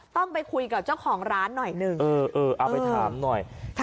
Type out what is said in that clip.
ต้องไปคุยกับเจ้าของร้านหน่อยหนึ่งเอาไปถามหน่อย